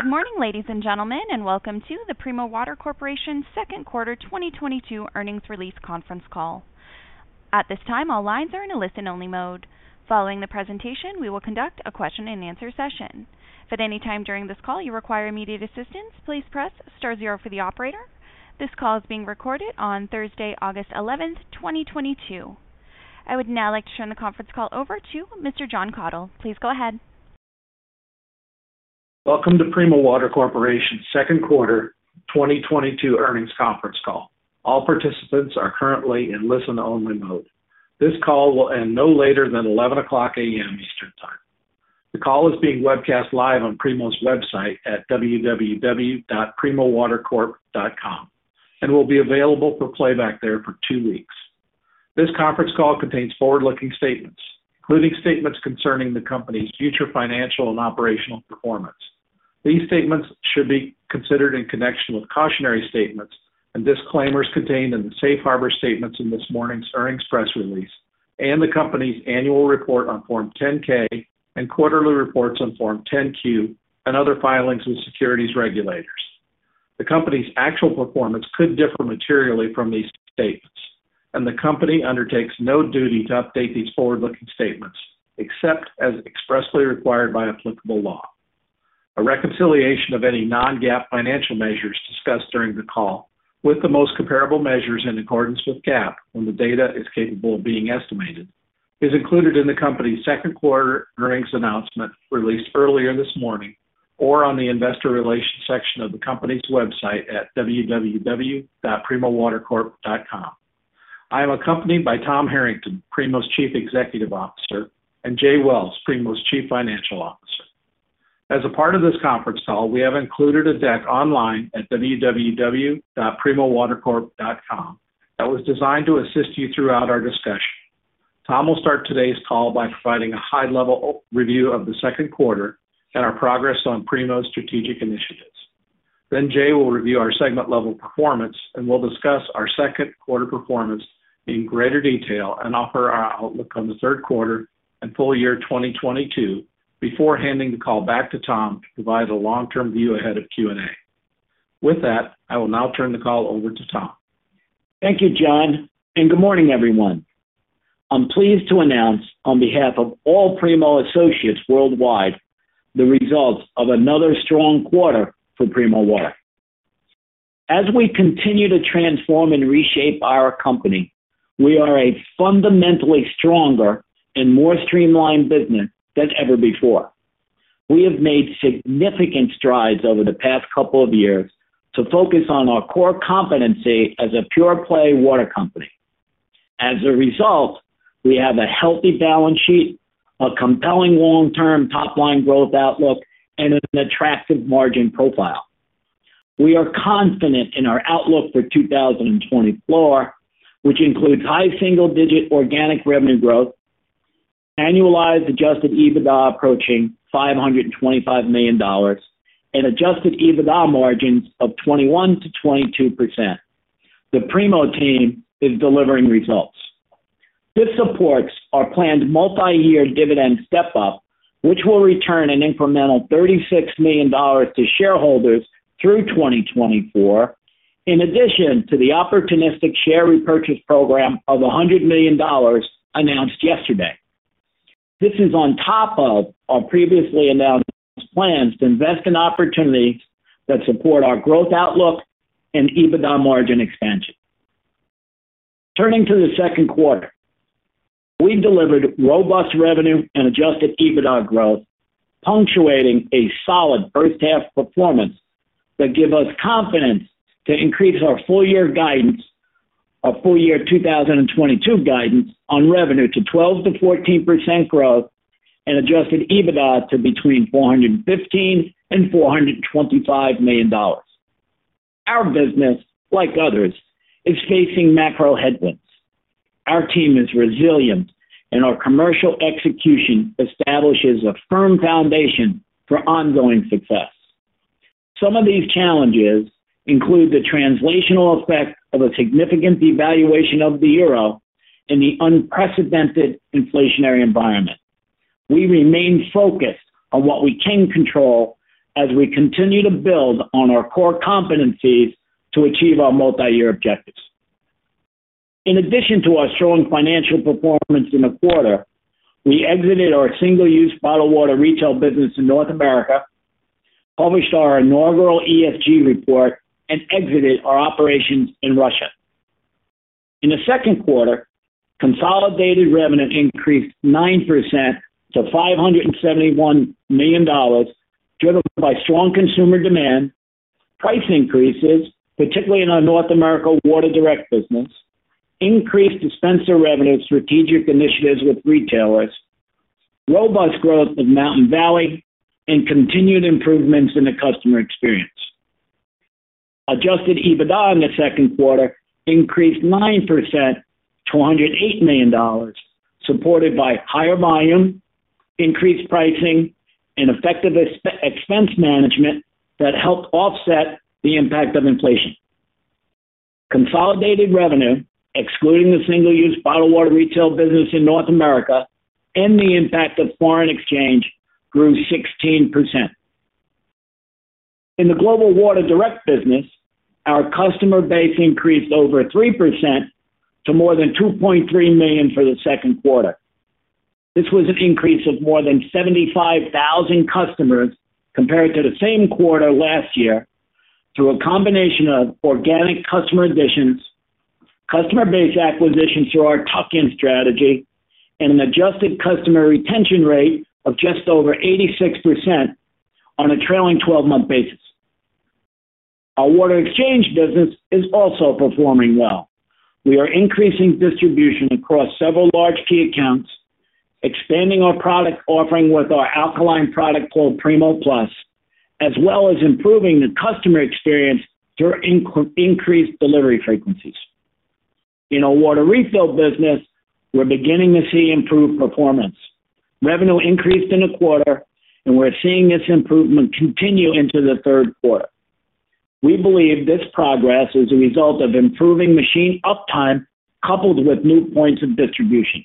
Good morning, ladies and gentlemen, and welcome to the Primo Water Corporation Q2 2022 earnings release conference call. At this time, all lines are in a listen-only mode. Following the presentation, we will conduct a question-and-answer session. If at any time during this call you require immediate assistance, please press star zero for the operator. This call is being recorded on Thursday, August 11, 2022. I would now like to turn the conference call over to Mr. Jon Kathol. Please go ahead. Welcome to Primo Water Corporation Q2 2022 earnings conference call. All participants are currently in listen-only mode. This call will end no later than 11:00 A.M. Eastern Time. The call is being webcast live on Primo's website at www.primowatercorp.com and will be available for playback there for two weeks. This conference call contains forward-looking statements, including statements concerning the company's future financial and operational performance. These statements should be considered in connection with cautionary statements and disclaimers contained in the safe harbor statements in this morning's earnings press release and the company's annual report on Form 10-K and quarterly reports on Form 10-Q and other filings with securities regulators. The company's actual performance could differ materially from these statements, and the company undertakes no duty to update these forward-looking statements except as expressly required by applicable law. A reconciliation of any non-GAAP financial measures discussed during the call with the most comparable measures in accordance with GAAP, when the data is capable of being estimated, is included in the company's Q2 earnings announcement released earlier this morning or on the investor relations section of the company's website at www.primowatercorp.com. I am accompanied by Tom Harrington, Primo's Chief Executive Officer, and Jay Wells, Primo's Chief Financial Officer. As a part of this conference call, we have included a deck online at www.primowatercorp.com that was designed to assist you throughout our discussion. Tom will start today's call by providing a high-level review of the Q2 and our progress on Primo's strategic initiatives. Jay will review our segment-level performance, and we'll discuss our Q2 performance in greater detail and offer our outlook on the Q3 and full year 2022 before handing the call back to Tom to provide a long-term view ahead of Q&A. With that, I will now turn the call over to Tom. Thank you, John, and good morning, everyone. I'm pleased to announce on behalf of all Primo associates worldwide the results of another strong quarter for Primo Water. As we continue to transform and reshape our company, we are a fundamentally stronger and more streamlined business than ever before. We have made significant strides over the past couple of years to focus on our core competency as a pure play water company. As a result, we have a healthy balance sheet, a compelling long-term top-line growth outlook, and an attractive margin profile. We are confident in our outlook for 2024, which includes high single-digit organic revenue growth, annualized Adjusted EBITDA approaching $525 million, and Adjusted EBITDA margins of 21%-22%. The Primo team is delivering results. This supports our planned multiyear dividend step-up, which will return an incremental $36 million to shareholders through 2024, in addition to the opportunistic share repurchase program of $100 million announced yesterday. This is on top of our previously announced plans to invest in opportunities that support our growth outlook and EBITDA margin expansion. Turning to the Q2. We delivered robust revenue and adjusted EBITDA growth, punctuating a solid first half performance that give us confidence to increase our full year guidance, our full year 2022 guidance on revenue to 12%-14% growth and adjusted EBITDA to between $415 million and $425 million. Our business, like others, is facing macro headwinds. Our team is resilient, and our commercial execution establishes a firm foundation for ongoing success. Some of these challenges include the translational effect of a significant devaluation of the euro and the unprecedented inflationary environment. We remain focused on what we can control as we continue to build on our core competencies to achieve our multiyear objectives. In addition to our strong financial performance in the quarter, we exited our single-use bottled water retail business in North America, published our inaugural ESG report, and exited our operations in Russia. In the Q2, consolidated revenue increased 9% to $571 million, driven by strong consumer demand, price increases, particularly in our North America Water Direct business, increased dispenser revenue strategic initiatives with retailers, robust growth of Mountain Valley, and continued improvements in the customer experience. Adjusted EBITDA in the Q2 increased 9% to $108 million, supported by higher volume, increased pricing, and effective expense management that helped offset the impact of inflation. Consolidated revenue, excluding the single-use bottled water retail business in North America and the impact of foreign exchange, grew 16%. In the global Water Direct business, our customer base increased over 3% to more than 2.3 million for the Q2. This was an increase of more than 75,000 customers compared to the same quarter last year through a combination of organic customer additions, customer base acquisitions through our tuck-in strategy, and an adjusted customer retention rate of just over 86% on a trailing twelve-month basis. Our Water Exchange business is also performing well. We are increasing distribution across several large key accounts, expanding our product offering with our alkaline product called Primo Plus, as well as improving the customer experience through increased delivery frequencies. In our Water Refill business, we're beginning to see improved performance. Revenue increased in the quarter, and we're seeing this improvement continue into the Q3. We believe this progress is a result of improving machine uptime coupled with new points of distribution.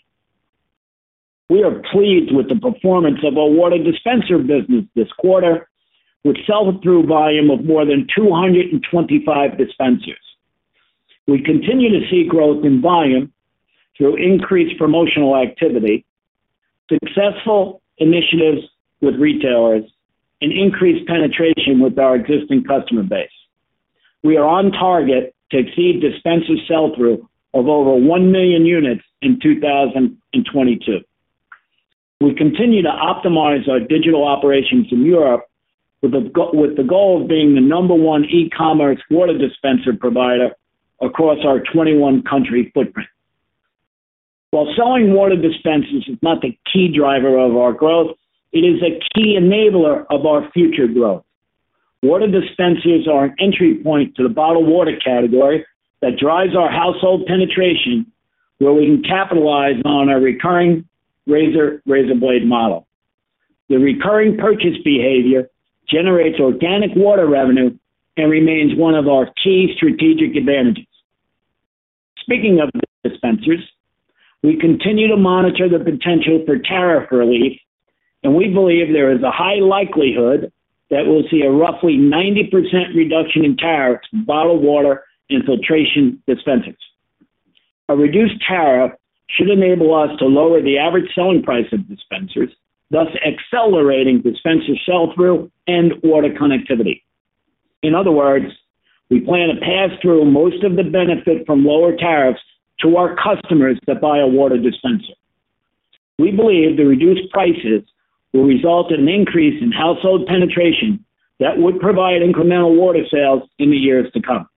We are pleased with the performance of our water dispenser business this quarter, with sell-through volume of more than 225 dispensers. We continue to see growth in volume through increased promotional activity, successful initiatives with retailers, and increased penetration with our existing customer base. We are on target to exceed dispenser sell-through of over 1 million units in 2022. We continue to optimize our digital operations in Europe with the goal of being the number-one e-commerce water dispenser provider across our 21-country footprint. While selling water dispensers is not the key driver of our growth, it is a key enabler of our future growth. Water dispensers are an entry point to the bottled water category that drives our household penetration, where we can capitalize on our recurring razor-razor blade model. The recurring purchase behavior generates organic water revenue and remains one of our key strategic advantages. Speaking of dispensers, we continue to monitor the potential for tariff relief, and we believe there is a high likelihood that we'll see a roughly 90% reduction in tariffs for bottled water and filtration dispensers. A reduced tariff should enable us to lower the average selling price of dispensers, thus accelerating dispenser sell-through and water connectivity. In other words, we plan to pass through most of the benefit from lower tariffs to our customers that buy a water dispenser. We believe the reduced prices will result in an increase in household penetration that would provide incremental water sales in the years to come.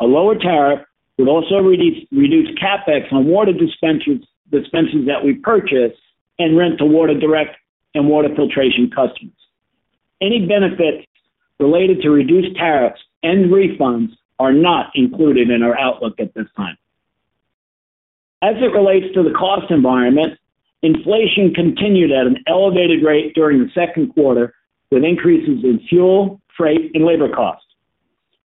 A lower tariff would also reduce CapEx on water dispensers that we purchase and rent to Water Direct and water filtration customers. Any benefits related to reduced tariffs and refunds are not included in our outlook at this time. As it relates to the cost environment, inflation continued at an elevated rate during the Q2, with increases in fuel, freight, and labor costs.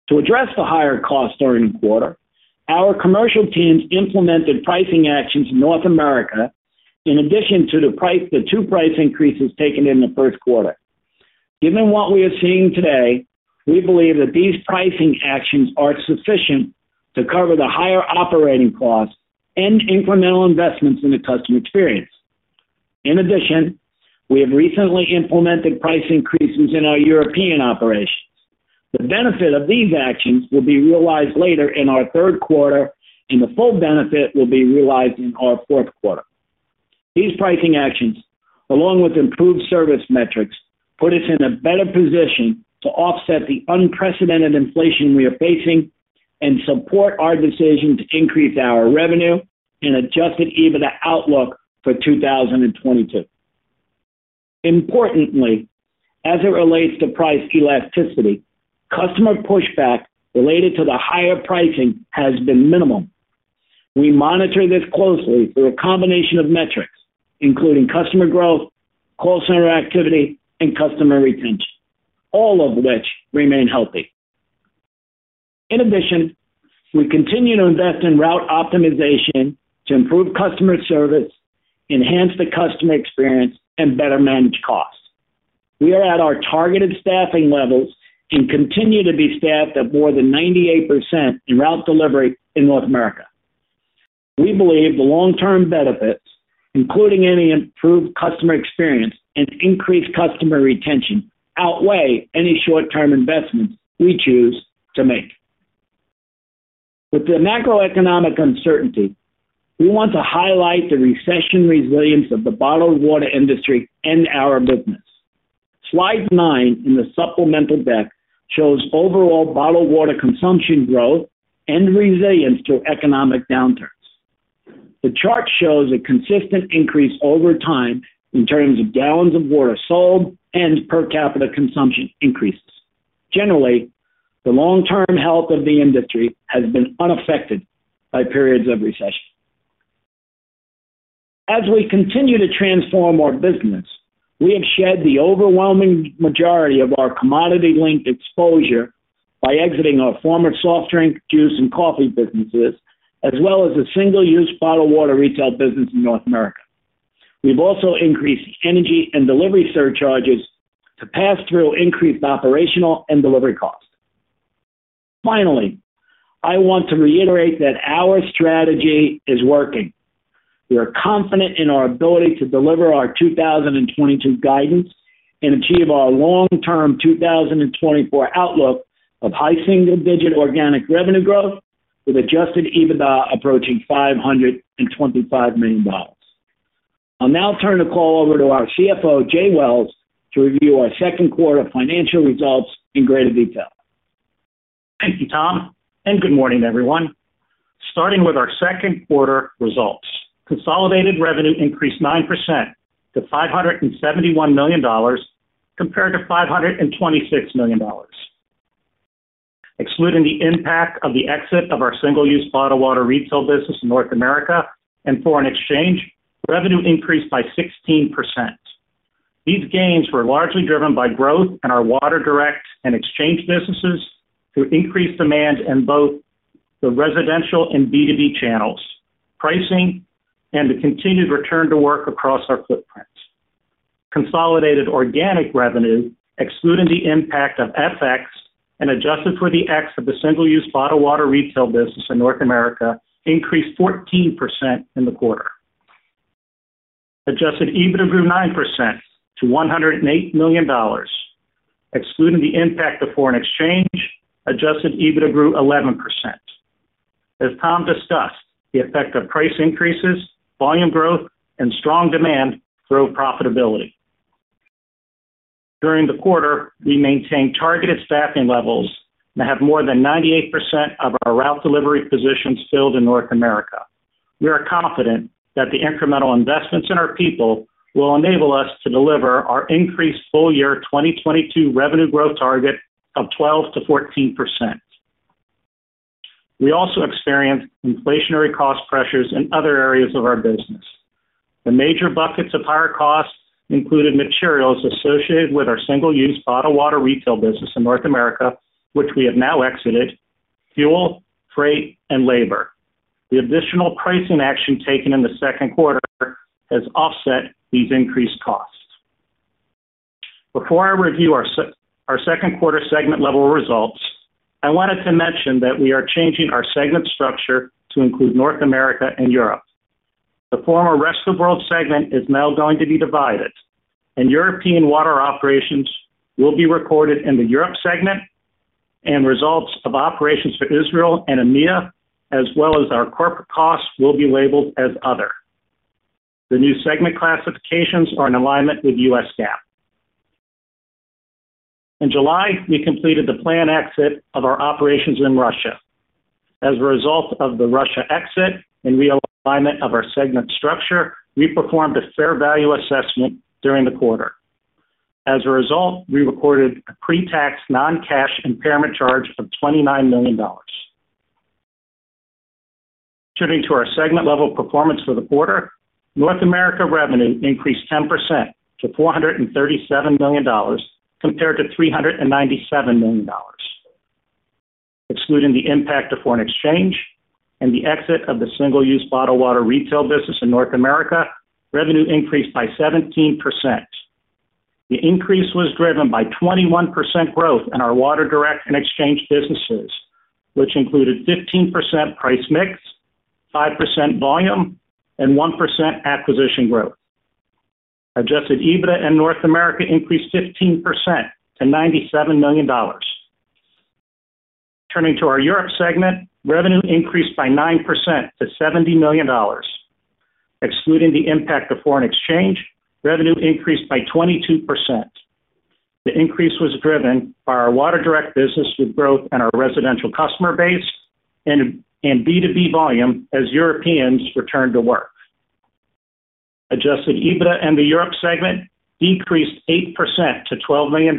To address the higher costs during the quarter, our commercial teams implemented pricing actions in North America in addition to the two price increases taken in the Q1 Given what we are seeing today, we believe that these pricing actions are sufficient to cover the higher operating costs and incremental investments in the customer experience. In addition, we have recently implemented price increases in our European operations. The benefit of these actions will be realized later in our Q3, and the full benefit will be realized in our Q4. These pricing actions, along with improved service metrics, put us in a better position to offset the unprecedented inflation we are facing and support our decision to increase our revenue and Adjusted EBITDA outlook for 2022. Importantly, as it relates to price elasticity, customer pushback related to the higher pricing has been minimal. We monitor this closely through a combination of metrics, including customer growth, call center activity, and customer retention, all of which remain healthy. In addition, we continue to invest in route optimization to improve customer service, enhance the customer experience, and better manage costs. We are at our targeted staffing levels and continue to be staffed at more than 98% in route delivery in North America. We believe the long-term benefits, including any improved customer experience and increased customer retention, outweigh any short-term investments we choose to make. With the macroeconomic uncertainty, we want to highlight the recession resilience of the bottled water industry and our business. Slide 9 in the supplemental deck shows overall bottled water consumption growth and resilience to economic downturns. The chart shows a consistent increase over time in terms of gallons of water sold and per capita consumption increases. Generally, the long-term health of the industry has been unaffected by periods of recession. As we continue to transform our business, we have shed the overwhelming majority of our commodity-linked exposure by exiting our former soft drink, juice, and coffee businesses, as well as a single-use bottled water retail business in North America. We've also increased energy and delivery surcharges to pass through increased operational and delivery costs. Finally, I want to reiterate that our strategy is working. We are confident in our ability to deliver our 2022 guidance and achieve our long-term 2024 outlook of high single-digit organic revenue growth with Adjusted EBITDA approaching $525 million. I'll now turn the call over to our CFO, Jay Wells, to review our Q2 financial results in greater detail. Thank you, Tom, and good morning, everyone. Starting with our Q2 results. Consolidated revenue increased 9% to $571 million compared to $526 million. Excluding the impact of the exit of our single-use bottled water retail business in North America and foreign exchange, revenue increased by 16%. These gains were largely driven by growth in our Water Direct and Water Exchange businesses through increased demand in both the residential and B2B channels, pricing, and the continued return to work across our footprints. Consolidated organic revenue, excluding the impact of FX and adjusted for the exit of the single-use bottled water retail business in North America, increased 14% in the quarter. Adjusted EBITDA grew 9% to $108 million. Excluding the impact of foreign exchange, adjusted EBITDA grew 11%. As Tom discussed, the effect of price increases, volume growth, and strong demand drove profitability. During the quarter, we maintained targeted staffing levels and have more than 98% of our route delivery positions filled in North America. We are confident that the incremental investments in our people will enable us to deliver our increased full-year 2022 revenue growth target of 12%-14%. We also experienced inflationary cost pressures in other areas of our business. The major buckets of higher costs included materials associated with our single-use bottled water retail business in North America, which we have now exited, fuel, freight, and labor. The additional pricing action taken in the Q2 has offset these increased costs. Before I review our Q2 segment-level results, I wanted to mention that we are changing our segment structure to include North America and Europe. The former Rest of World segment is now going to be divided, and European water operations will be recorded in the Europe segment, and results of operations for Israel and EMEA, as well as our corporate costs, will be labeled as Other. The new segment classifications are in alignment with U.S. GAAP. In July, we completed the planned exit of our operations in Russia. As a result of the Russia exit and realignment of our segment structure, we performed a fair value assessment during the quarter. As a result, we recorded a pre-tax non-cash impairment charge of $29 million. Turning to our segment-level performance for the quarter, North America revenue increased 10% to $437 million compared to $397 million. Excluding the impact of foreign exchange and the exit of the single-use bottled water retail business in North America, revenue increased by 17%. The increase was driven by 21% growth in our Water Direct and Exchange businesses, which included 15% price mix, 5% volume, and 1% acquisition growth. Adjusted EBITDA in North America increased 15% to $97 million. Turning to our Europe segment, revenue increased by 9% to $70 million. Excluding the impact of foreign exchange, revenue increased by 22%. The increase was driven by our Water Direct business with growth in our residential customer base and B2B volume as Europeans returned to work. Adjusted EBITDA in the Europe segment decreased 8% to $12 million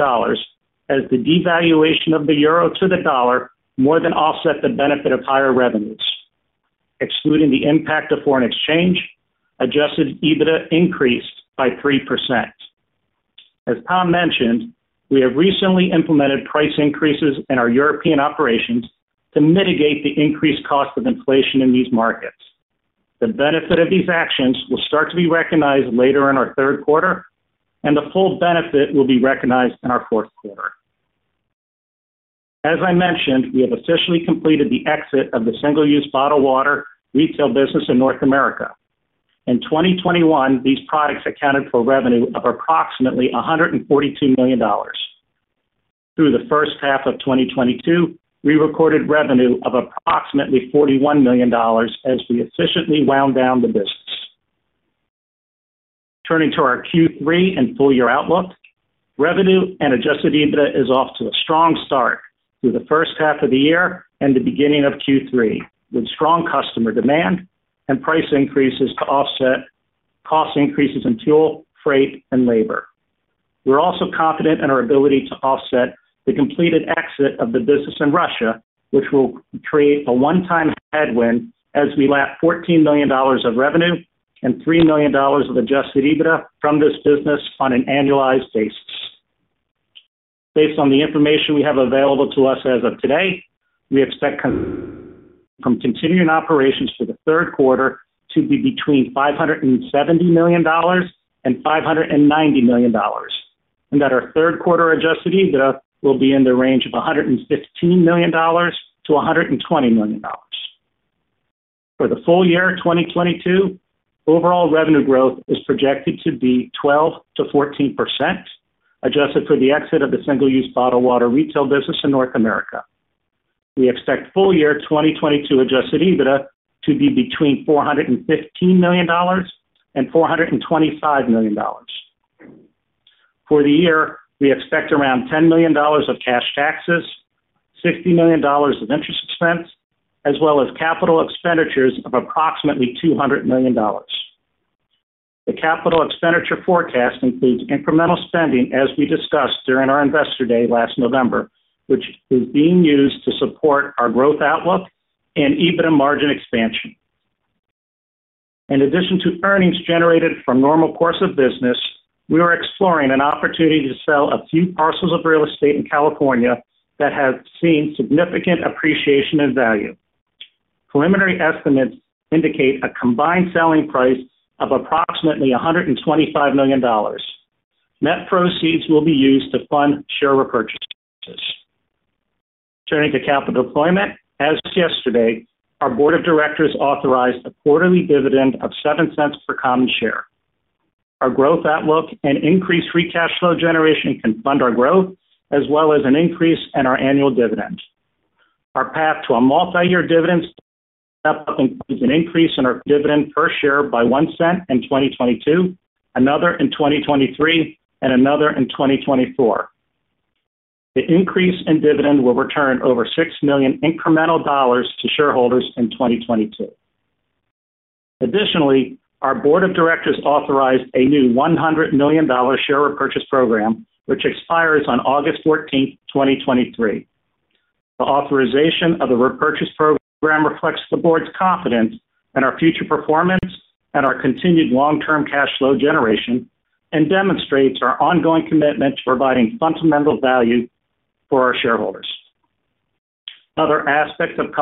as the devaluation of the euro to the dollar more than offset the benefit of higher revenues. Excluding the impact of foreign exchange, adjusted EBITDA increased by 3%. As Tom mentioned, we have recently implemented price increases in our European operations to mitigate the increased cost of inflation in these markets. The benefit of these actions will start to be recognized later in our Q3, and the full benefit will be recognized in our Q4 As I mentioned, we have officially completed the exit of the single-use bottled water retail business in North America. In 2021, these products accounted for revenue of approximately $142 million. Through the first half of 2022, we recorded revenue of approximately $41 million as we efficiently wound down the business. Turning to our Q3 and full-year outlook, revenue and Adjusted EBITDA is off to a strong start through the first half of the year and the beginning of Q3, with strong customer demand and price increases to offset cost increases in fuel, freight, and labor. We're also confident in our ability to offset the completed exit of the business in Russia, which will create a one-time headwind as we lap $14 million of revenue and $3 million of Adjusted EBITDA from this business on an annualized basis. Based on the information we have available to us as of today, we expect income from continuing operations for the Q3 to be between $570 million and $590 million, and that our Q3 Adjusted EBITDA will be in the range of $115 million-$120 million. For the full year 2022, overall revenue growth is projected to be 12%-14%, adjusted for the exit of the single-use bottled water retail business in North America. We expect full year 2022 Adjusted EBITDA to be between $415 million and $425 million. For the year, we expect around $10 million of cash taxes, $60 million of interest expense, as well as capital expenditures of approximately $200 million. The capital expenditure forecast includes incremental spending, as we discussed during our Investor Day last November, which is being used to support our growth outlook and EBITDA margin expansion. In addition to earnings generated from normal course of business, we are exploring an opportunity to sell a few parcels of real estate in California that have seen significant appreciation in value. Preliminary estimates indicate a combined selling price of approximately $125 million. Net proceeds will be used to fund share repurchases. Turning to capital deployment. As of yesterday, our board of directors authorized a quarterly dividend of $0.07 per common share. Our growth outlook and increased free cash flow generation can fund our growth, as well as an increase in our annual dividend. Our path to a multiyear dividend step-up includes an increase in our dividend per share by $0.01 in 2022, another in 2023, and another in 2024. The increase in dividend will return over $6 million incremental dollars to shareholders in 2022. Additionally, our board of directors authorized a new $100 million share repurchase program, which expires on August 14, 2023. The authorization of the repurchase program reflects the board's confidence in our future performance and our continued long-term cash flow generation, and demonstrates our ongoing commitment to providing fundamental value for our shareholders. Other aspects of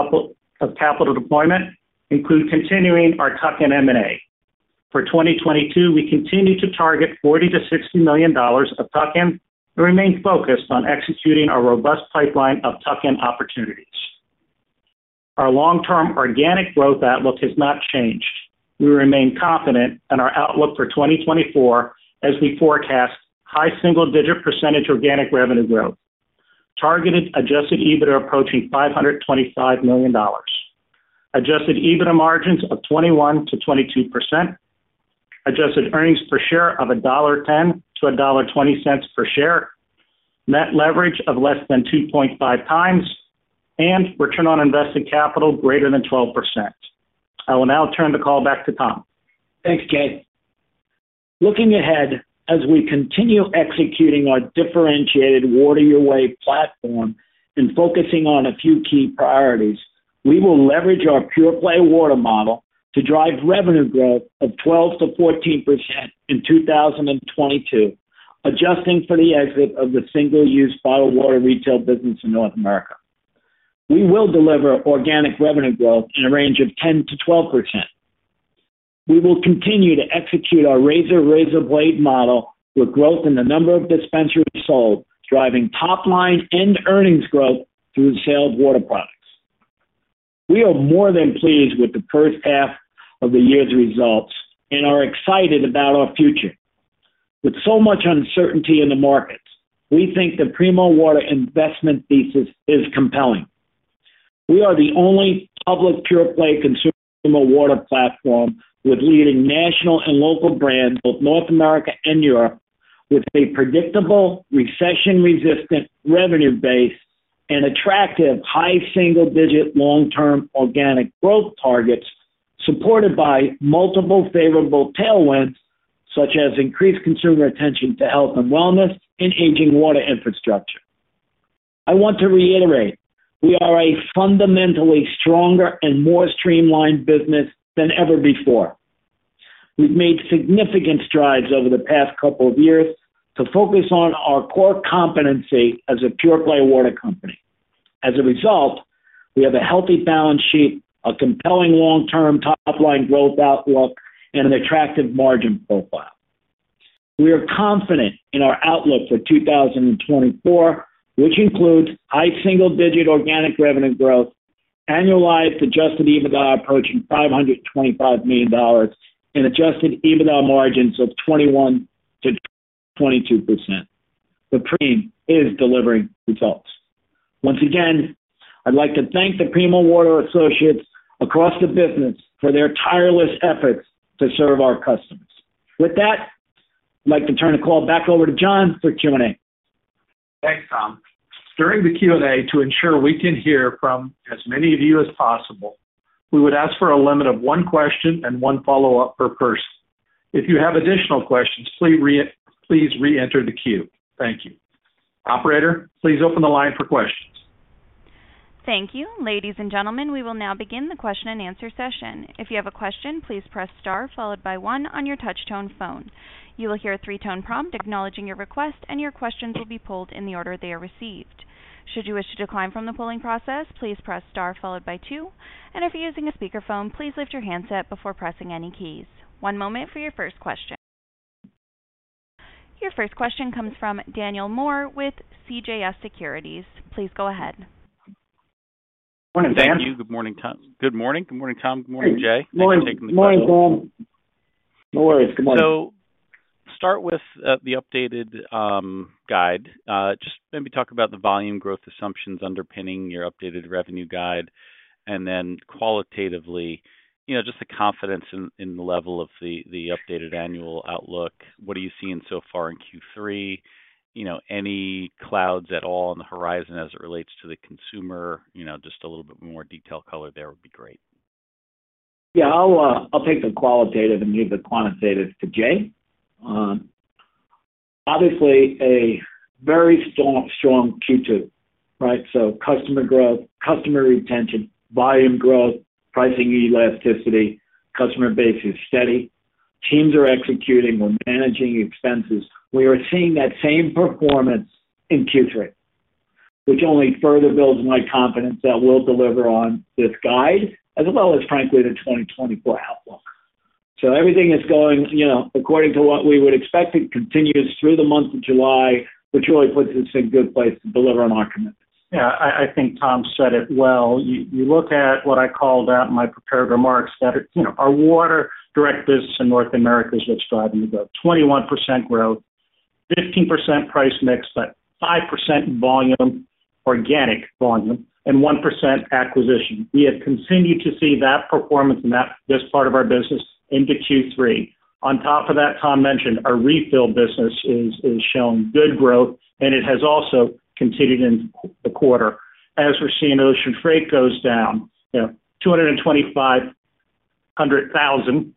capital deployment include continuing our tuck-in M&A. For 2022, we continue to target $40 million-$60 million of tuck-in and remain focused on executing our robust pipeline of tuck-in opportunities. Our long-term organic growth outlook has not changed. We remain confident in our outlook for 2024 as we forecast high single-digit % organic revenue growth, targeted Adjusted EBITDA approaching $525 million, Adjusted EBITDA margins of 21%-22%, adjusted earnings per share of $1.10-$1.20 per share, net leverage of less than 2.5x, and return on invested capital greater than 12%. I will now turn the call back to Tom. Thanks, Jay. Looking ahead, as we continue executing our differentiated Water Your Way platform and focusing on a few key priorities, we will leverage our pure play water model to drive revenue growth of 12%-14% in 2022, adjusting for the exit of the single-use bottled water retail business in North America. We will deliver organic revenue growth in a range of 10%-12%. We will continue to execute our razor-razor blade model with growth in the number of dispensers sold, driving top-line and earnings growth through the sale of water products. We are more than pleased with the first half of the year's results and are excited about our future. With so much uncertainty in the markets, we think the Primo Water investment thesis is compelling. We are the only public pure play consumer water platform with leading national and local brands, both North America and Europe, with a predictable, recession-resistant revenue base and attractive high single-digit long-term organic growth targets, supported by multiple favorable tailwinds such as increased consumer attention to health and wellness and aging water infrastructure. I want to reiterate, we are a fundamentally stronger and more streamlined business than ever before. We've made significant strides over the past couple of years to focus on our core competency as a pure play water company. As a result, we have a healthy balance sheet, a compelling long-term top-line growth outlook, and an attractive margin profile. We are confident in our outlook for 2024, which includes high single-digit organic revenue growth, annualized adjusted EBITDA approaching $525 million, and adjusted EBITDA margins of 21%-22%. The team is delivering results. Once again, I'd like to thank the Primo Water associates across the business for their tireless efforts to serve our customers. With that, I'd like to turn the call back over to John for Q&A. Thanks, Tom. During the Q&A, to ensure we can hear from as many of you as possible, we would ask for a limit of one question and one follow-up per person. If you have additional questions, please reenter the queue. Thank you. Operator, please open the line for questions. Thank you. Ladies and gentlemen, we will now begin the question-and-answer session. If you have a question, please press star followed by one on your touch-tone phone. You will hear a three-tone prompt acknowledging your request, and your questions will be pulled in the order they are received. Should you wish to decline from the polling process, please press star followed by two. If you're using a speakerphone, please lift your handset before pressing any keys. One moment for your first question. Your first question comes from Daniel Moore with CJS Securities. Please go ahead. Good morning, Dan. Thank you. Good morning, Tom. Good morning, Jay. Thanks. Morning. Morning, Dan. No worries. Good morning. Start with the updated guide. Just maybe talk about the volume growth assumptions underpinning your updated revenue guide and then qualitatively, you know, just the confidence in the level of the updated annual outlook. What are you seeing so far in Q3? You know, any clouds at all on the horizon as it relates to the consumer? You know, just a little bit more detail color there would be great. Yeah, I'll take the qualitative and leave the quantitative to Jay. Obviously a very strong Q2, right? Customer growth, customer retention, volume growth, pricing elasticity, customer base is steady. Teams are executing. We're managing expenses. We are seeing that same performance in Q3, which only further builds my confidence that we'll deliver on this guide as well as frankly the 2024 outlook. Everything is going, you know, according to what we would expect. It continues through the month of July, which really puts us in good place to deliver on our commitments. Yeah, I think Tom said it well. You look at what I called out in my prepared remarks that it's, you know, our Water Direct business in North America is what's driving the growth. 21% growth, 15% price mix, but 5% volume, organic volume, and 1% acquisition. We have continued to see that performance in this part of our business into Q3. On top of that, Tom mentioned our Water Refill business is showing good growth, and it has also continued in the quarter. As we're seeing ocean freight goes down, you know, 225,000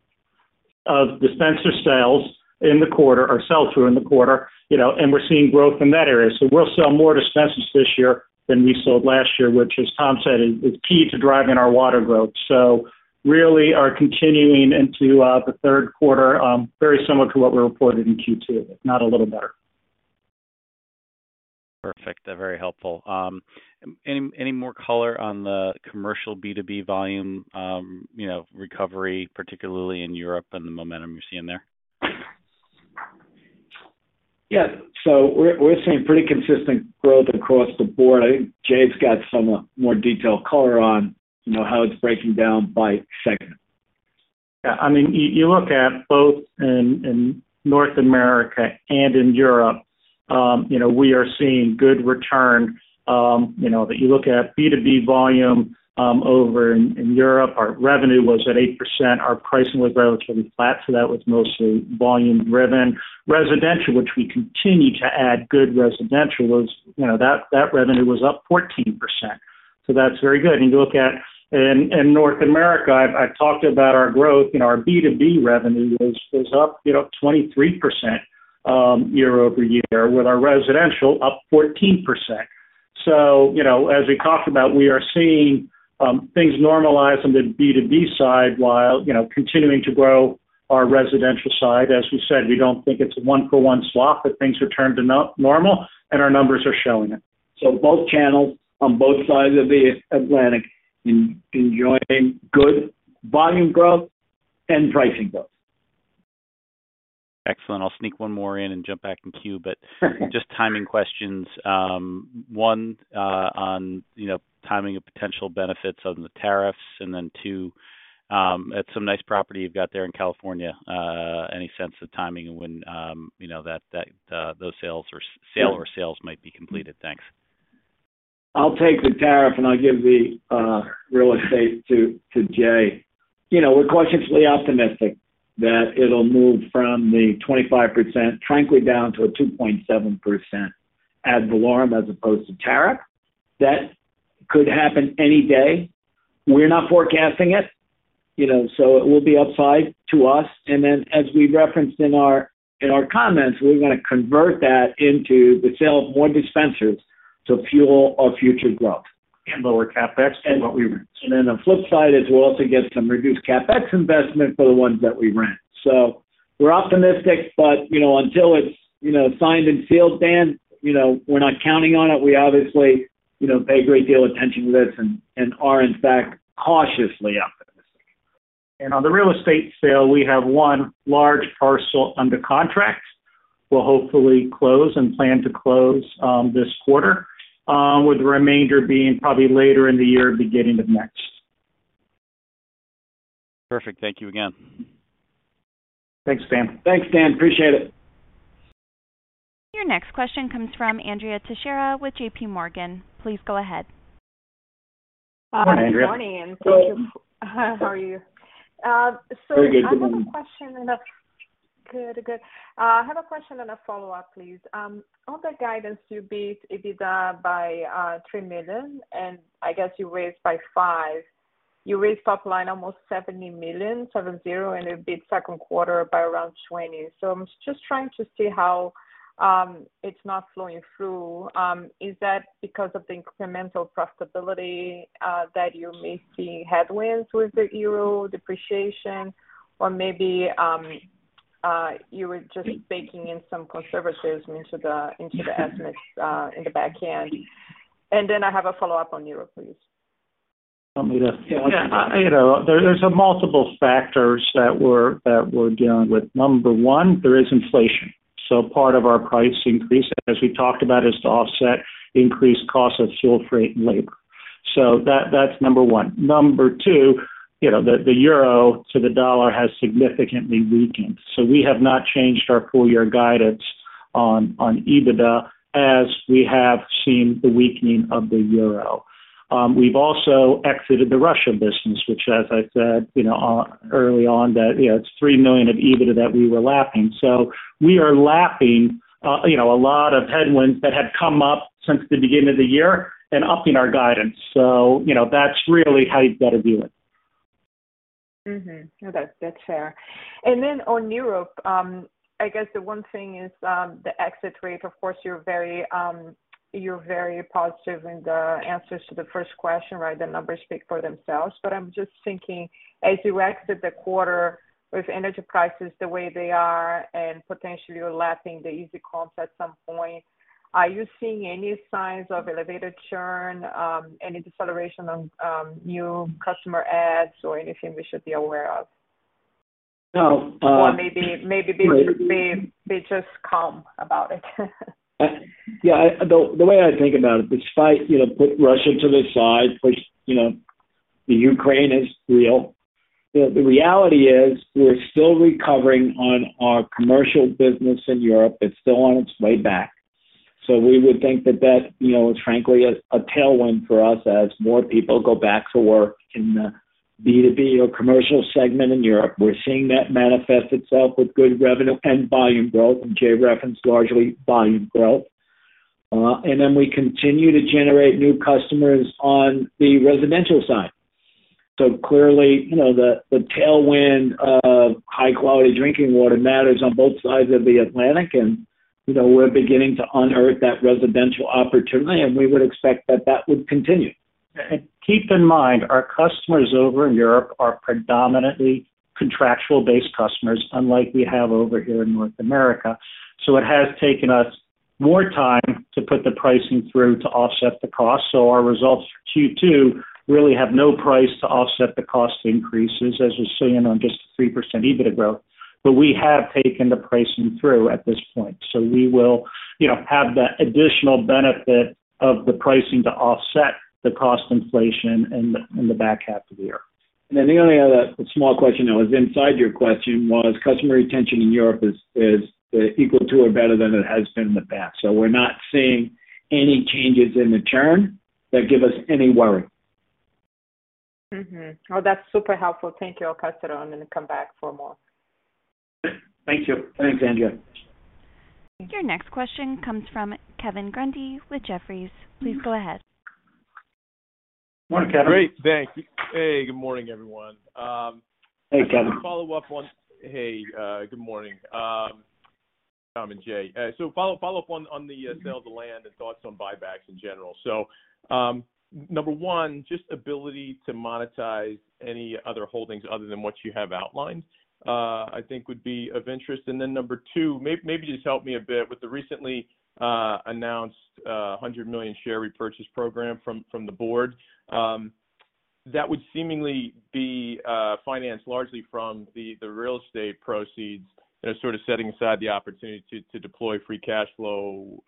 of dispenser sales in the quarter or sell through in the quarter, you know, and we're seeing growth in that area. We'll sell more dispensers this year than we sold last year, which, as Tom said, is key to driving our water growth. We're really continuing into the Q3 very similar to what we reported in Q2, if not a little better. Perfect. They're very helpful. Any more color on the commercial B2B volume, you know, recovery, particularly in Europe and the momentum you're seeing there? Yeah. We're seeing pretty consistent growth across the board. I think Jay's got some more detailed color on, you know, how it's breaking down by segment. Yeah. I mean, you look at both in North America and in Europe, you know, we are seeing good return. You know, but you look at B2B volume, over in Europe, our revenue was at 8%. Our pricing was relatively flat, so that was mostly volume driven. Residential, which we continue to add good residential, was, you know, that revenue was up 14%. That's very good. You look at in North America, I've talked about our growth in our B2B revenue was up, you know, 23%, year-over-year, with our residential up 14%. You know, as we talked about, we are seeing things normalize on the B2B side while, you know, continuing to grow our residential side. As we said, we don't think it's a one-for-one swap, but things returned to normal, and our numbers are showing it. Both channels on both sides of the Atlantic enjoying good volume growth and pricing growth. Excellent. I'll sneak one more in and jump back in queue. Just timing questions. One, on, you know, timing of potential benefits on the tariffs. Then two, that's some nice property you've got there in California. Any sense of timing when, you know, that those sales might be completed? Thanks. I'll take the tariff, and I'll give the real estate to Jay. You know, we're cautiously optimistic that it'll move from the 25% frankly down to a 2.7% ad valorem as opposed to tariff. That could happen any day. We're not forecasting it, you know, so it will be upside to us. As we referenced in our comments, we're gonna convert that into the sale of more dispensers to fuel our future growth. Lower CapEx than what we rent. Then the flip side is we'll also get some reduced CapEx investment for the ones that we rent. We're optimistic, but, you know, until it's, you know, signed and sealed, Dan, you know, we're not counting on it. We obviously, you know, pay a great deal attention to this and are, in fact, cautiously optimistic. On the real estate sale, we have one large parcel under contract. We'll hopefully close and plan to close this quarter, with the remainder being probably later in the year, beginning of next. Perfect. Thank you again. Thanks, Dan. Thanks, Dan. Appreciate it. Your next question comes from Andrea Teixeira with J.P. Morgan. Please go ahead. Good morning, Andrea. Good morning. Thank you. How are you? Very good. Good morning. Good, good. I have a question and a follow-up, please. On the guidance you beat EBITDA by $3 million, and I guess you raised by $5 million. You raised top line almost $70 million and a big Q2 by around $20 million. I'm just trying to see how it's not flowing through. Is that because of the incremental profitability that you may see headwinds with the euro depreciation or maybe you were just baking in some conservatism into the estimates in the back end. Then I have a follow-up on Europe, please. You want me to- Yeah. You know, there's multiple factors that we're dealing with. Number one, there is inflation. Part of our price increase, as we talked about, is to offset increased costs of fuel, freight, and labor. That's number one. Number two, you know, the euro to the dollar has significantly weakened. We have not changed our full year guidance on EBITDA as we have seen the weakening of the euro. We've also exited the Russia business, which as I said, you know, early on that, you know, it's $3 million of EBITDA that we were lapping. We are lapping, you know, a lot of headwinds that have come up since the beginning of the year and upping our guidance. You know, that's really how you've got to view it. That's fair. On Europe, I guess the one thing is the exit rate. Of course, you're very positive in the answers to the first question, right? The numbers speak for themselves. I'm just thinking, as you exit the quarter with energy prices the way they are and potentially you're lapping the easy comps at some point, are you seeing any signs of elevated churn, any deceleration on new customer adds or anything we should be aware of? No. Maybe they just calm about it. Yeah. The way I think about it, despite you know put Russia to the side, which you know the Ukraine is real. The reality is we're still recovering on our commercial business in Europe. It's still on its way back. We would think that is frankly a tailwind for us as more people go back to work in the B2B or commercial segment in Europe. We're seeing that manifest itself with good revenue and volume growth. Jay referenced largely volume growth. We continue to generate new customers on the residential side. Clearly you know the tailwind of high-quality drinking water matters on both sides of the Atlantic. You know we're beginning to unearth that residential opportunity, and we would expect that would continue. Keep in mind, our customers over in Europe are predominantly contractual-based customers, unlike we have over here in North America. It has taken us more time to put the pricing through to offset the cost. Our results for Q2 really have no price to offset the cost increases, as you're seeing on just 3% EBITDA growth. We have taken the pricing through at this point. We will, you know, have the additional benefit of the pricing to offset the cost inflation in the back half of the year. The only other small question that was inside your question was customer retention in Europe is equal to or better than it has been in the past. We're not seeing any changes in the churn that give us any worry. Mm-hmm. Oh, that's super helpful. Thank you. I'll pass it on and then come back for more. Thank you. Thanks, Andrea. Your next question comes from Kevin Grundy with Jefferies. Please go ahead. Morning, Kevin. Great. Thank you. Hey, good morning, everyone. Hey, Kevin. Hey, good morning, Tom and Jay. Follow up on the sale of the land and thoughts on buybacks in general. Number one, just ability to monetize any other holdings other than what you have outlined, I think would be of interest. Number two, maybe just help me a bit with the recently announced $100 million share repurchase program from the board that would seemingly be financed largely from the real estate proceeds, you know, sort of setting aside the opportunity to deploy free cash flow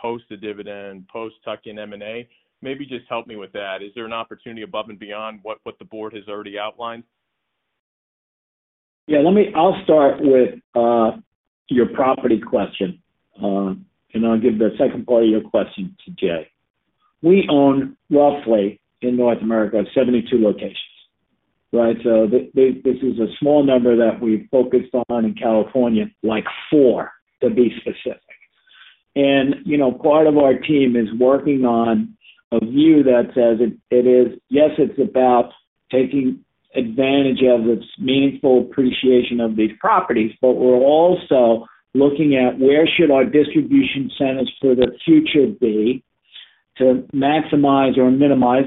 post the dividend, post tuck-in M&A. Maybe just help me with that. Is there an opportunity above and beyond what the board has already outlined? I'll start with your property question, and I'll give the second part of your question to Jay. We own roughly in North America 72 locations, right? This is a small number that we focused on in California, like 4 to be specific. You know, part of our team is working on a view that says it is. Yes, it's about taking advantage of this meaningful appreciation of these properties, but we're also looking at where should our distribution centers for the future be to maximize or minimize,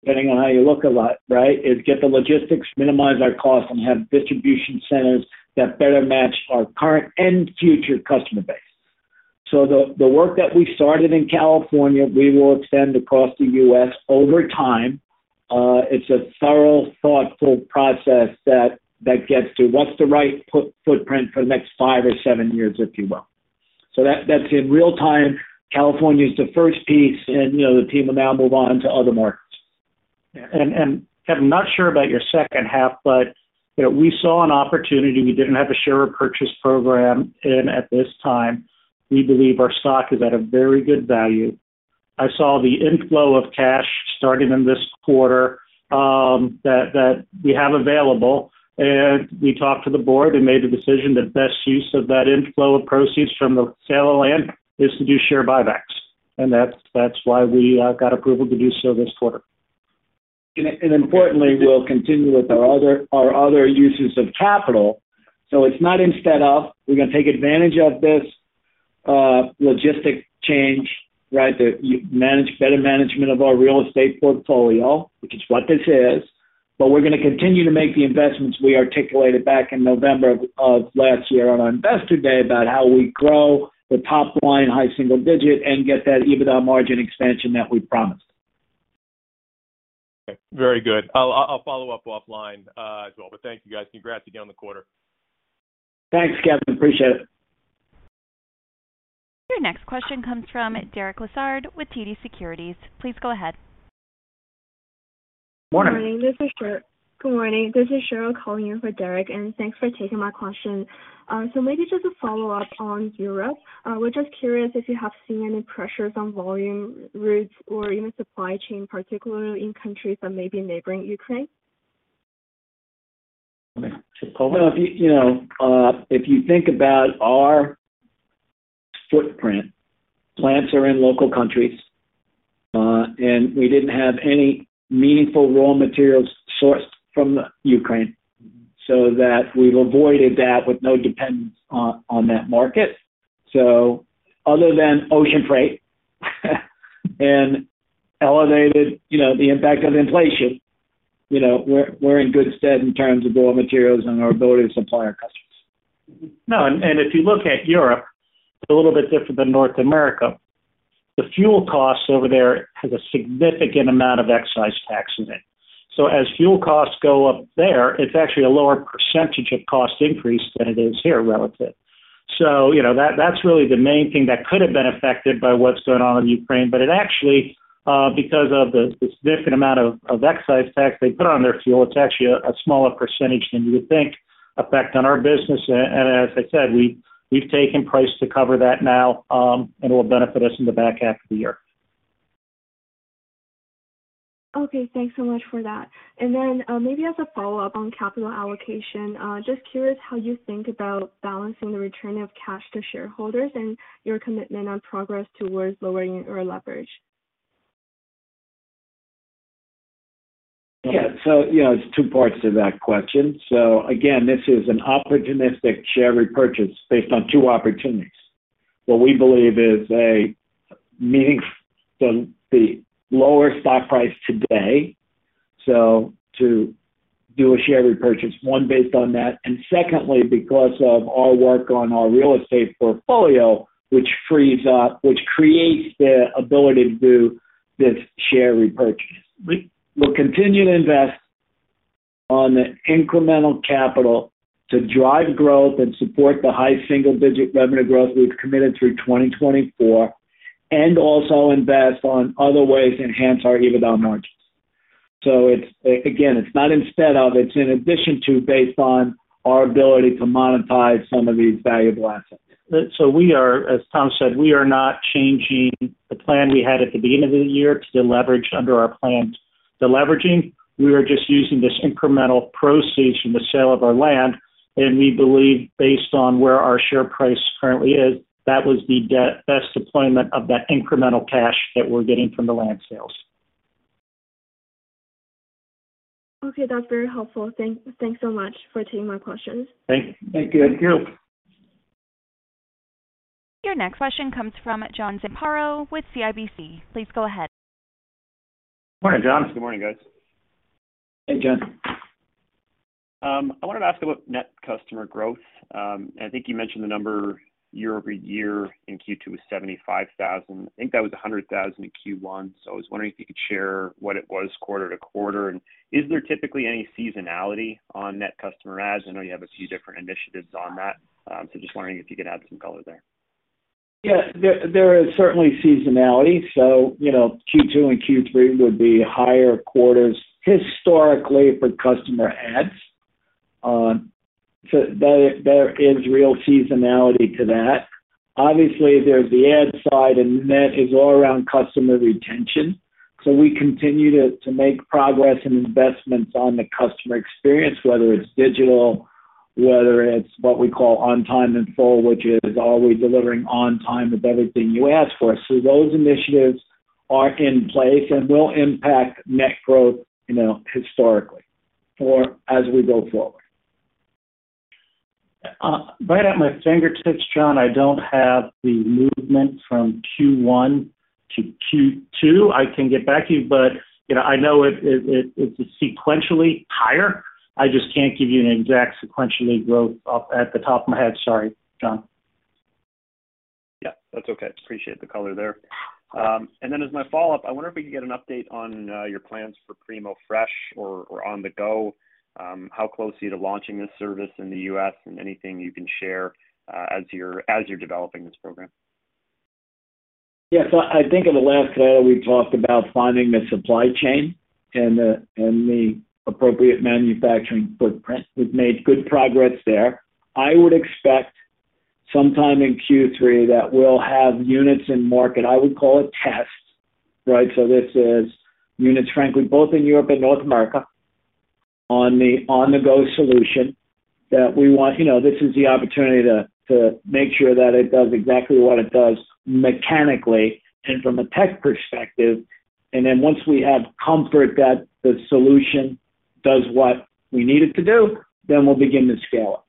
depending on how you look at it, right, is to get the logistics, minimize our costs, and have distribution centers that better match our current and future customer base. The work that we started in California, we will extend across the U.S. over time. It's a thorough, thoughtful process that gets to what's the right footprint for the next five or seven years, if you will. That's in real time. California is the first piece and, you know, the team will now move on to other markets. Kevin, I'm not sure about your second half, but you know, we saw an opportunity. We didn't have a share repurchase program in at this time. We believe our stock is at a very good value. I saw the inflow of cash starting in this quarter, that we have available, and we talked to the board and made the decision the best use of that inflow of proceeds from the sale of land is to do share buybacks. That's why we got approval to do so this quarter. Importantly, we'll continue with our other uses of capital. It's not instead of, we're gonna take advantage of this logistic change, right? Better management of our real estate portfolio, which is what this is. We're gonna continue to make the investments we articulated back in November of last year on our Investor Day about how we grow the top line high single digit and get that EBITDA margin expansion that we promised. Okay, very good. I'll follow up offline, as well. Thank you, guys. Congrats again on the quarter. Thanks, Kevin. Appreciate it. Your next question comes from Derek Lessard with TD Securities. Please go ahead. Morning. Good morning. This is Cheryl calling in for Derek, and thanks for taking my question. Maybe just a follow-up on Europe. We're just curious if you have seen any pressures on volume routes or even supply chain, particularly in countries that may be neighboring Ukraine? Okay. Well, if you think about our footprint, plants are in local countries, and we didn't have any meaningful raw materials sourced from Ukraine so that we've avoided that with no dependence on that market. Other than ocean freight and elevated, you know, the impact of inflation, you know, we're in good stead in terms of raw materials and our ability to supply our customers. No, if you look at Europe, it's a little bit different than North America. The fuel costs over there has a significant amount of excise tax in it. As fuel costs go up there, it's actually a lower percentage of cost increase than it is here relative. You know, that's really the main thing that could have been affected by what's going on in Ukraine. It actually, because of the significant amount of excise tax they put on their fuel, it's actually a smaller percentage than you would think effect on our business. As I said, we've taken price to cover that now, and it will benefit us in the back half of the year. Okay. Thanks so much for that. Maybe as a follow-up on capital allocation, just curious how you think about balancing the return of cash to shareholders and your commitment on progress towards lowering your leverage. Yeah. You know, there's two parts to that question. Again, this is an opportunistic share repurchase based on two opportunities. What we believe is a meaningful lower stock price today, so to do a share repurchase, one based on that, and secondly because of our work on our real estate portfolio, which creates the ability to do this share repurchase. We'll continue to invest on the incremental capital to drive growth and support the high single-digit revenue growth we've committed through 2024, and also invest on other ways to enhance our EBITDA margins. It's again, it's not instead of, it's in addition to based on our ability to monetize some of these valuable assets. We are, as Tom said, not changing the plan we had at the beginning of the year to deleverage under our planned deleveraging. We are just using this incremental proceeds from the sale of our land, and we believe based on where our share price currently is, that was the best deployment of that incremental cash that we're getting from the land sales. Okay. That's very helpful. Thanks so much for taking my questions. Thank you. Thank you. Thank you. Your next question comes from Jon Andersen with CIBC. Please go ahead. Morning, John. Good morning, guys. Hey, John. I wanted to ask about net customer growth. I think you mentioned the number year-over-year in Q2 was 75,000. I think that was 100,000 in Q1. I was wondering if you could share what it was quarter-over-quarter, and is there typically any seasonality on net customer adds? I know you have a few different initiatives on that. Just wondering if you could add some color there. There is certainly seasonality. You know, Q2 and Q3 would be higher quarters historically for customer adds. There is real seasonality to that. Obviously, there's the add side, and net is all around customer retention. We continue to make progress and investments on the customer experience, whether it's digital, whether it's what we call on time and full, which is are we delivering on time with everything you ask for. Those initiatives are in place and will impact net growth, you know, historically or as we go forward. Right at my fingertips, John, I don't have the movement from Q1 to Q2. I can get back to you, but, you know, I know it is sequentially higher. I just can't give you an exact sequential growth off the top of my head. Sorry, John. Yeah, that's okay. Appreciate the color there. As my follow-up, I wonder if we could get an update on your plans for Primo Fresh or On the Go. How close are you to launching this service in the U.S., and anything you can share as you're developing this program? Yes, I think in the last slide we talked about finding the supply chain and the appropriate manufacturing footprint. We've made good progress there. I would expect sometime in Q3 that we'll have units in market. I would call it test, right? This is units, frankly, both in Europe and North America on the On-the-Go solution that we want. You know, this is the opportunity to make sure that it does exactly what it does mechanically and from a tech perspective. Then once we have comfort that the solution does what we need it to do, then we'll begin to scale it.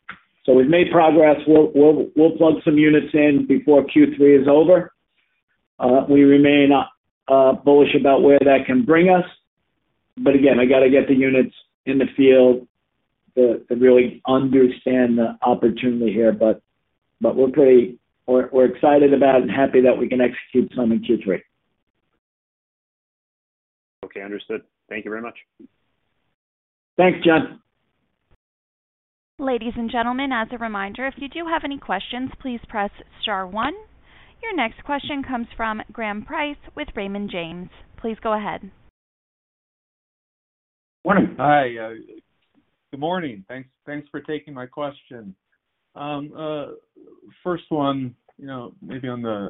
We've made progress. We'll plug some units in before Q3 is over. We remain bullish about where that can bring us, but again, I got to get the units in the field to really understand the opportunity here. We're pretty excited about and happy that we can execute some in Q3. Okay, understood. Thank you very much. Thanks, John. Ladies and gentlemen, as a reminder, if you do have any questions, please press star one. Your next question comes from Graham Price with Raymond James. Please go ahead. Morning. Hi. Good morning. Thanks for taking my question. First one, you know, maybe on the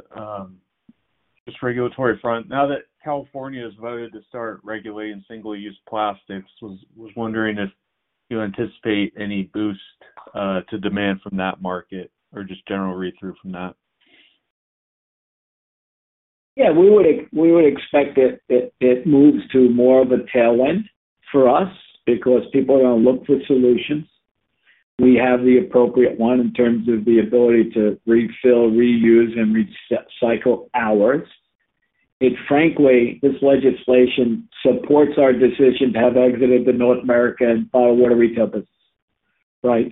just regulatory front. Now that California has voted to start regulating single-use plastics, was wondering if you anticipate any boost to demand from that market or just general read-through from that? Yeah, we would expect it moves to more of a tailwind for us because people are going to look for solutions. We have the appropriate one in terms of the ability to refill, reuse, and recycle ours. It frankly, this legislation supports our decision to have exited the North American bottled water retail business, right?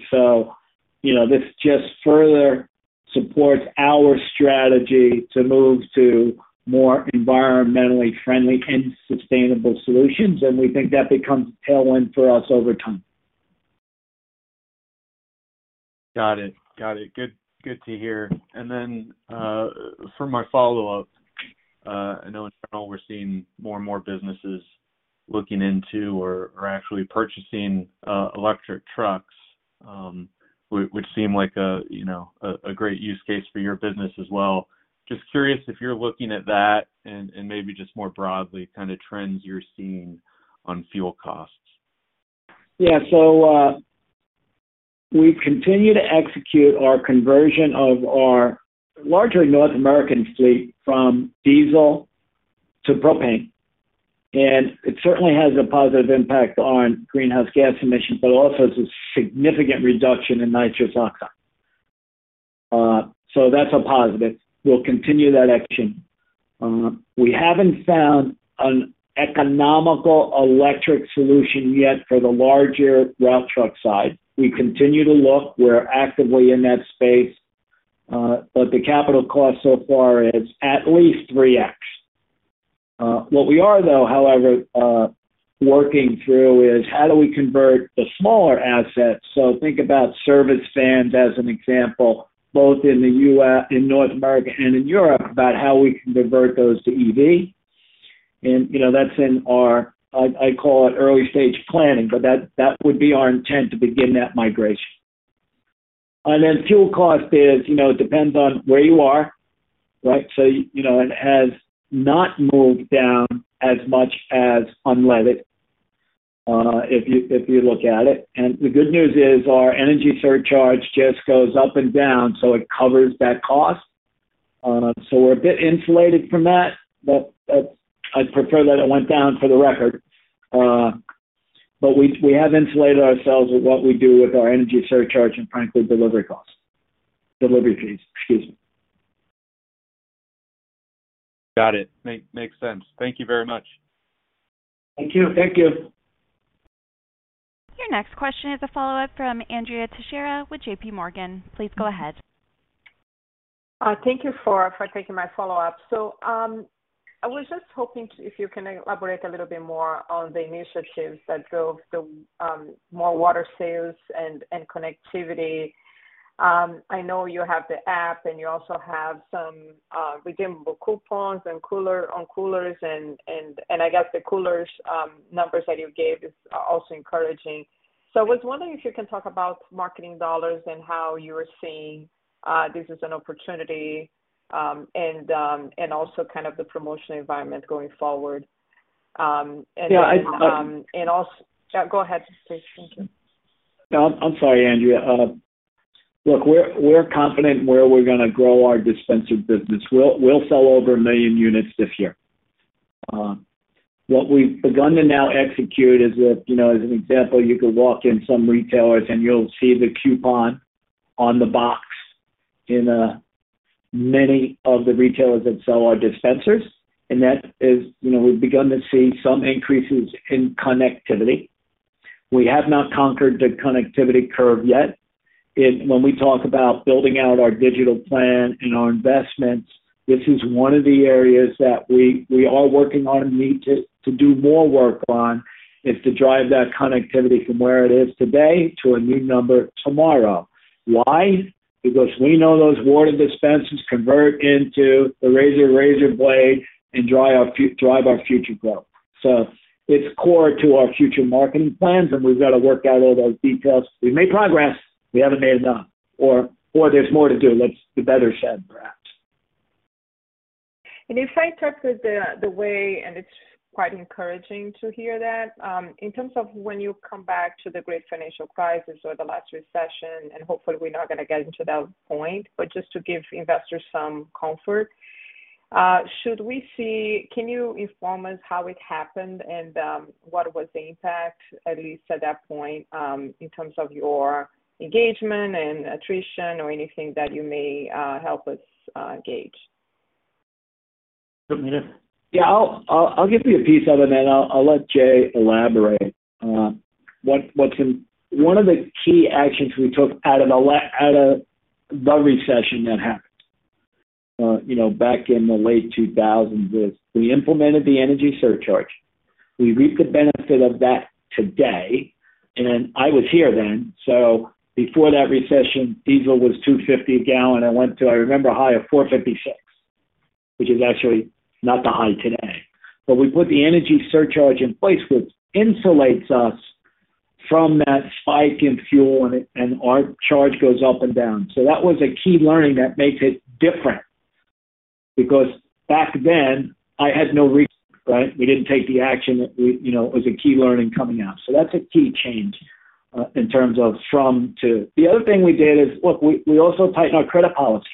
You know, this just further supports our strategy to move to more environmentally friendly and sustainable solutions, and we think that becomes tailwind for us over time. Got it. Good to hear. For my follow-up, I know in general we're seeing more and more businesses looking into or actually purchasing electric trucks, which seem like a, you know, a great use case for your business as well. Just curious if you're looking at that and maybe just more broadly kind of trends you're seeing on fuel costs. Yeah. We continue to execute our conversion of our largely North American fleet from diesel to propane. It certainly has a positive impact on greenhouse gas emissions, but also it's a significant reduction in nitrous oxide. That's a positive. We'll continue that action. We haven't found an economical electric solution yet for the larger route truck side. We continue to look. We're actively in that space. But the capital cost so far is at least 3x. What we are though, however, working through is how do we convert the smaller assets. Think about service vans as an example, both in North America and in Europe, about how we can convert those to EV. You know, that's in our early-stage planning, but that would be our intent to begin that migration. Fuel cost is, you know, it depends on where you are, right? You know, it has not moved down as much as unleaded, if you look at it. The good news is our energy surcharge just goes up and down, so it covers that cost. We're a bit insulated from that, but I'd prefer that it went down for the record. We have insulated ourselves with what we do with our energy surcharge and frankly, delivery costs. Delivery fees, excuse me. Got it. Makes sense. Thank you very much. Thank you. Thank you. Your next question is a follow-up from Andrea Teixeira with J.P. Morgan. Please go ahead. Thank you for taking my follow-up. I was just hoping if you can elaborate a little bit more on the initiatives that drove the more water sales and connectivity. I know you have the app, and you also have some redeemable coupons and coolers, and I guess the coolers numbers that you gave is also encouraging. I was wondering if you can talk about marketing dollars and how you are seeing this as an opportunity, and also kind of the promotional environment going forward. And then, Yeah. Yeah, go ahead, please. Thank you. No, I'm sorry, Andrea. Look, we're confident that we're gonna grow our dispenser business. We'll sell over 1 million units this year. What we've begun to now execute is that, you know, as an example, you could walk in some retailers, and you'll see the coupon on the box in many of the retailers that sell our dispensers. That is, you know, we've begun to see some increases in connectivity. We have not conquered the connectivity curve yet. When we talk about building out our digital plan and our investments, this is one of the areas that we are working on and need to do more work on, is to drive that connectivity from where it is today to a new number tomorrow. Why? Because we know those water dispensers convert into the razor-razor blade and drive our future growth. It's core to our future marketing plans, and we've got to work out all those details. We've made progress, we haven't made enough or there's more to do. That's better said, perhaps. If I interpreted the way, and it's quite encouraging to hear that, in terms of when you come back to the great financial crisis or the last recession, and hopefully we're not gonna get into that point, but just to give investors some comfort, can you inform us how it happened and what was the impact, at least at that point, in terms of your engagement and attrition or anything that you may help us gauge? You want me to? Yeah, I'll give you a piece of it, and then I'll let Jay elaborate. One of the key actions we took out of the recession that happened, you know, back in the late 2000s is we implemented the energy surcharge. We reap the benefit of that today. I was here then, so before that recession, diesel was $2.50 a gallon and went to, I remember, a high of $4.56, which is actually not the high today. We put the energy surcharge in place, which insulates us from that spike in fuel, and it and our charge goes up and down. That was a key learning that makes it different because back then I had no reason, right? We didn't take the action that we, you know, it was a key learning coming out. That's a key change in terms of from to. The other thing we did is, look, we also tightened our credit policy,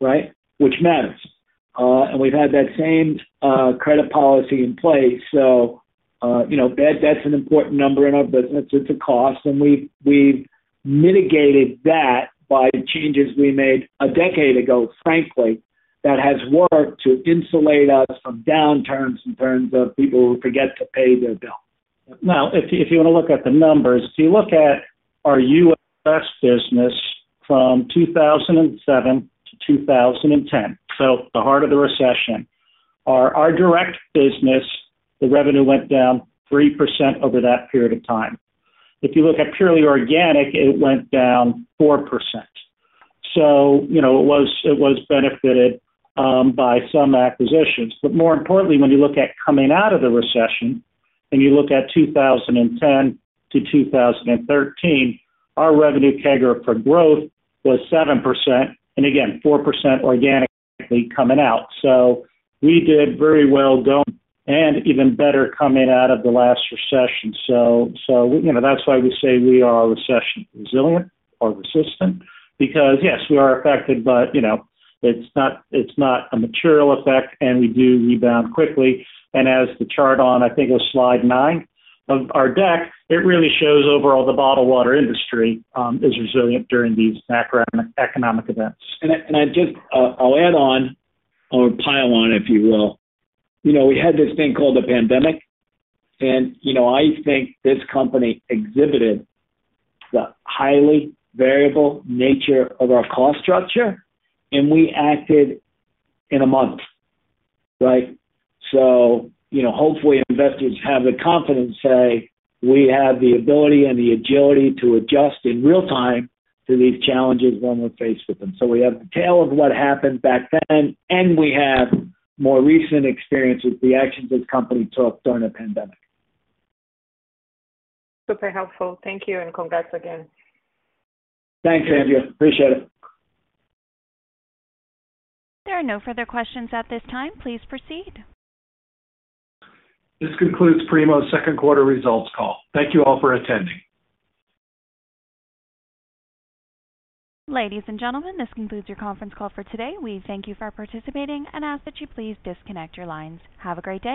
right? Which matters. We've had that same credit policy in place, so you know, that's an important number in our business. It's a cost, and we've mitigated that by the changes we made a decade ago, frankly, that has worked to insulate us from downturns in terms of people who forget to pay their bill. Now, if you wanna look at the numbers, if you look at our U.S. business from 2007 to 2010, so the heart of the recession, our direct business, the revenue went down 3% over that period of time. If you look at purely organic, it went down 4%. You know, it was benefited by some acquisitions. But more importantly, when you look at coming out of the recession and you look at 2010 to 2013, our revenue CAGR for growth was 7% and again 4% organically coming out. We did very well going and even better coming out of the last recession. you know, that's why we say we are recession resilient or resistant because, yes, we are affected, but, you know, it's not, it's not a material effect, and we do rebound quickly. As the chart on, I think it was slide 9 of our deck, it really shows overall the bottled water industry is resilient during these macroeconomic events. I'll add on or pile on, if you will. You know, we had this thing called the pandemic, and you know, I think this company exhibited the highly variable nature of our cost structure, and we acted in a month, right? You know, hopefully investors have the confidence, say we have the ability and the agility to adjust in real time to these challenges when we're faced with them. We have the tale of what happened back then, and we have more recent experience with the actions this company took during the pandemic. Super helpful. Thank you, and congrats again. Thanks, Andrea. Appreciate it. There are no further questions at this time. Please proceed. This concludes Primo's Q2 results call. Thank you all for attending. Ladies and gentlemen, this concludes your conference call for today. We thank you for participating and ask that you please disconnect your lines. Have a great day.